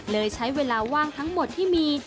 ใช้เวลาว่างทั้งหมดที่มี